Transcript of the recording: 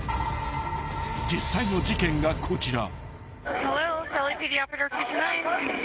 ［実際の事件がこちら］